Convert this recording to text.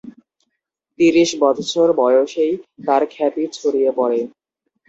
তিরিশ বৎসর বয়সেই তার খ্যাতি ছড়িয়ে পড়ে।